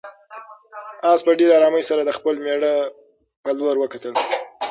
آس په ډېرې آرامۍ سره د خپل مېړه په لور وکتل.